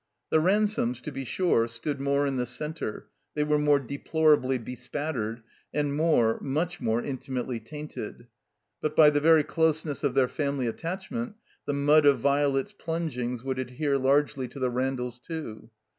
The Ransomes, to be sure, stood more in the center, they were more deplorably bespattered, and more, much more in timately tainted. But, by the very closeness of their family attachment, the mud of Violet's plungings would adhere largely to the Randalls, too.